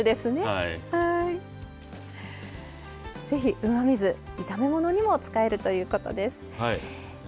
ぜひうまみ酢炒め物にも使えるということです。